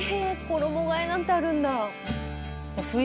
衣がえなんてあるんだ。